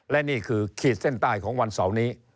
และนี่คือขีดเส้นใต้ของวันเสาร์นี้